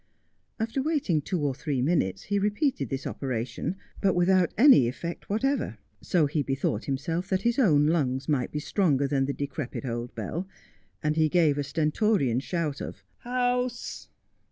After waiting two or three minutes he repeated this operation, but without any effect whatever. So he bethought himself that his own lungs might be stronger than the decrepit old bell, and he gave a stentorian shout of ' House